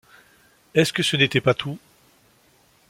Est-ce que ce n’était pas tout?